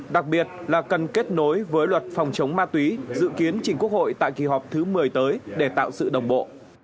đặc biệt là cần kết nối với luật phòng chống ma túy dự kiến chỉnh quốc hội tại kỳ họp thứ một mươi tới để tạo sự đồng bộ